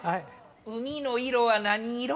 海の色は何色？